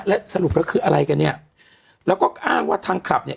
แล้วสรุปแล้วคืออะไรกันเนี่ยแล้วก็อ้างว่าทางคลับเนี่ย